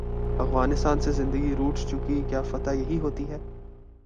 افغانستان سے زندگی روٹھ چکی کیا فتح یہی ہو تی ہے؟